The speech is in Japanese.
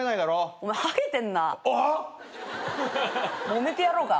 もめてやろうか？